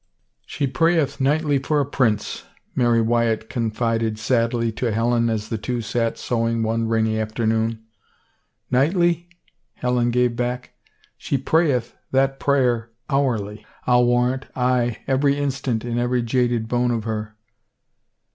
" She prayeth nightly for a prince," Mary Wyatt con fided sadly to Helen as the two sat sewing one rainy afternoon. " Nightly ?*' Helen gave back. " She prayeth that prayer hourly, I'll warrant, aye, every instant in every jaded bone of her."